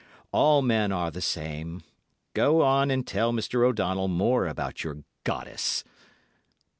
All men are the same. Go on and tell Mr. O'Donnell more about your goddess."